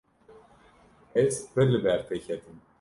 Ez pir li ber te ketim.